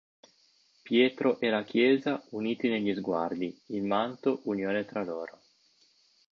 Pietro e la Chiesa uniti negli sguardi, il manto unione tra loro.